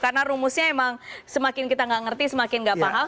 karena rumusnya emang semakin kita gak ngerti semakin gak paham